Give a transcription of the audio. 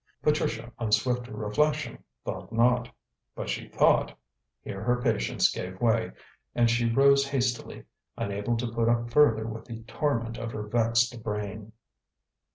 Patricia, on swift reflection, thought not; but she thought here her patience gave way, and she rose hastily, unable to put up further with the torment of her vexed brain.